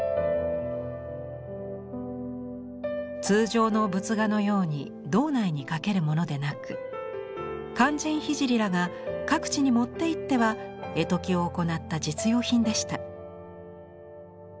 通常の仏画のように堂内に掛けるものでなく勧進聖らが各地に持っていっては絵解きを行った実用品でした。